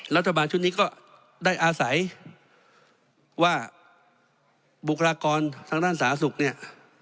รัฐบาลชุดนี้ก็ได้อาศัยว่าบุคลากรทางด้านสาธารณสุขเนี่ย